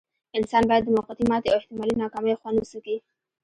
انسان بايد د موقتې ماتې او احتمالي ناکاميو خوند وڅکي.